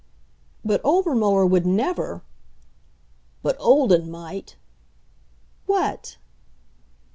"But Obermuller would never " "But Olden might " "What?"